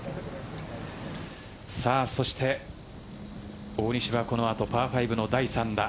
そして大西はこのあとパー５の第３打。